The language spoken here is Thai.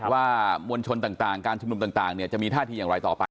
มวลชนต่างการชุมนุมต่างจะมีท่าทีอย่างไรต่อไป